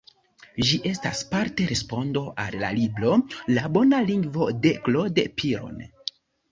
Ĝi estas parte respondo al la libro "La Bona Lingvo", de Claude Piron.